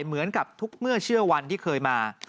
เหมือนกับทุกเมื่อเชื่อวันที่เคยมา